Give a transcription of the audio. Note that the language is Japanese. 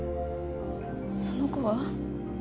その子は？